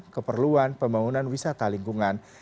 keperluan pembangunan wisata lingkungan